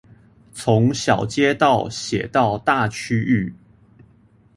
從小街道寫到大區域